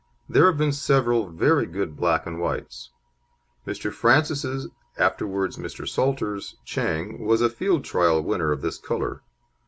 There have been several very good black and whites. Mr. Francis's, afterwards Mr. Salter's, Chang was a field trial winner of this colour.